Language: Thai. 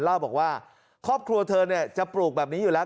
เล่าบอกว่าครอบครัวเธอจะปลูกแบบนี้อยู่แล้ว